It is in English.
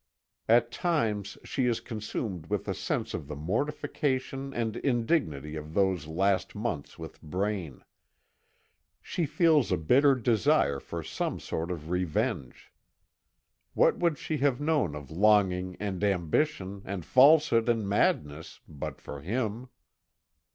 At times she is consumed with a sense of the mortification and indignity of those last months with Braine. She feels a bitter desire for some sort of revenge. What would she have known of longing and ambition, and falsehood and madness, but for him?